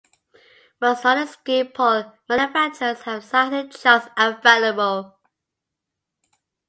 Most Nordic ski pole manufacturers have sizing charts available.